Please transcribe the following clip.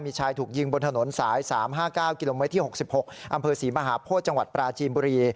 มีชายถูกยิงบนถนนสาย๓๕๙กิโลเมตรที่๖๖อำเภอศรีมหาโพธิจังหวัดปราจีนบุรี